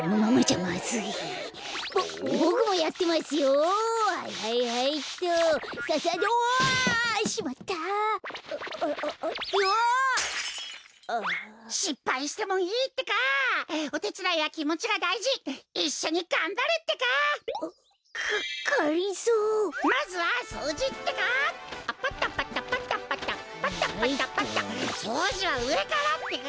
そうじはうえからってか！